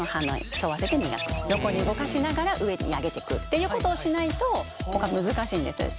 横に動かしながら上に上げてくっていうことをしないと難しいんです。